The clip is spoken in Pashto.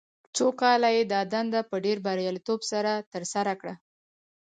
څو کاله یې دا دنده په ډېر بریالیتوب سره ترسره کړه.